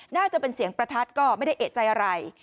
น่าจะเป็นเสียงประทัดก็ไม่ได้เอกใจอะไร